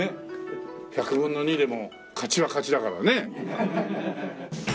１００分の２でも勝ちは勝ちだからね。